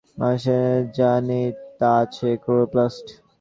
মানুষের যা নেই, তা হচ্ছে ক্লোরোপ্লাসট।